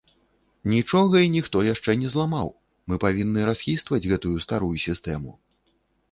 Нічога і ніхто яшчэ не зламаў, мы павінны расхістваць гэтую старую сістэму.